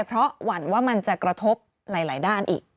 เพราะหวั่นว่ามันจะกระทบหลายด้านอีก